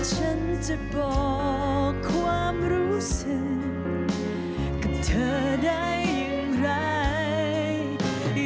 ฉันจะบอกความรู้สึกกับเธอได้อย่างไร